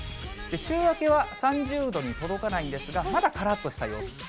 週明けは、３０度に届かないんですが、まだ、からっとした陽気。